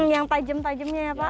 yang tajem tajemnya ya pak